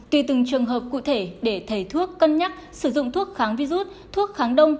tùy từng trường hợp cụ thể để thầy thuốc cân nhắc sử dụng thuốc kháng virus thuốc kháng đông